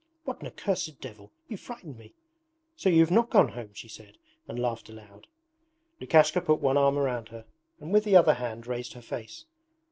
'What an accursed devil! You frightened me! So you have not gone home?' she said, and laughed aloud. Lukashka put one arm round her and with the other hand raised her face.